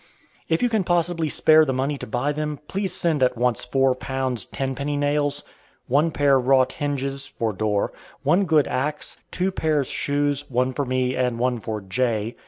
If you can possibly spare the money to buy them, please send at once four pounds ten penny nails; one pair wrought hinges (for door); one good axe; two pairs shoes (one for me and one for J.)